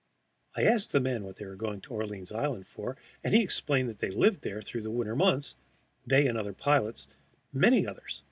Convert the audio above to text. I asked the man what they were going to Orleans Island for, and he explained that they lived there through the winter months they and other pilots, many others.